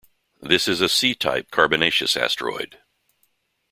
This is a C-type carbonaceous asteroid.